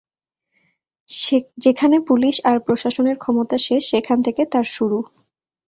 যেখানে পুলিশ আর প্রশাসনের ক্ষমতা শেষ, সেখান থেকে তার শুরু।